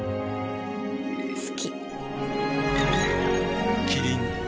好き。